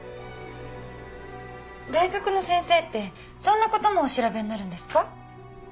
大学の先生ってそんなこともお調べになるんですか？